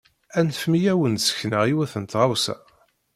Anfem-iyi ad wen-d-sekneɣ yiwet n tɣawsa.